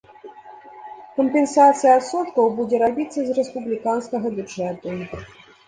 Кампенсацыя адсоткаў будзе рабіцца з рэспубліканскага бюджэту.